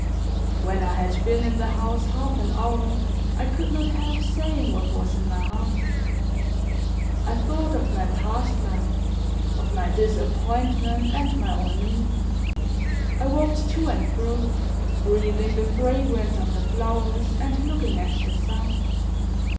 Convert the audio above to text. When I had been in the house half an hour, I could not help saying what was in my heart. I thought of my past life, of my disappointment and my ennui; I walked to and fro, breathing the fragrance of the flowers, and looking at the sun.